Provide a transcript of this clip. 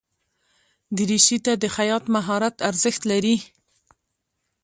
دریشي ته د خیاط مهارت ارزښت لري.